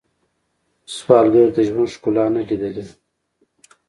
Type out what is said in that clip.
سوالګر د ژوند ښکلا نه لیدلې